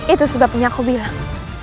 itu sebabnya aku bilang